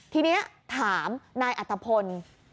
ทีนี้ถามนายอัตภพล